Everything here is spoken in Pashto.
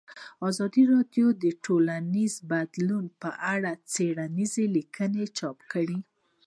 ازادي راډیو د ټولنیز بدلون په اړه څېړنیزې لیکنې چاپ کړي.